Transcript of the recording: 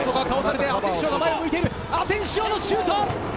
アセンシオのシュート。